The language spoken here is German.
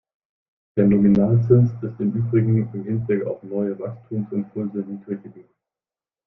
Der Nominalzins ist im Übrigen im Hinblick auf neue Wachstumsimpulse niedrig genug.